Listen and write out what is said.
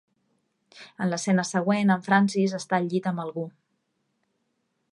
En l'escena següent, en Francis està al llit amb algú.